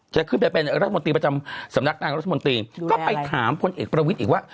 จะขึ้นไปเป็นรัฐมนตรีประจำสำนักนางรัฐมนตรีก็ไปถามพลเอกประวิทย์อีกว่า